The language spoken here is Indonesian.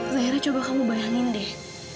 akhirnya coba kamu bayangin deh